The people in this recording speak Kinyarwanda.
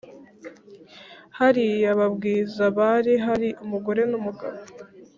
hariya babwiza bari hari umugore numugabo